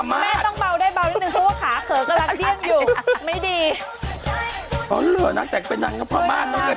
แม่ต้องเบาได้เบานิดนึง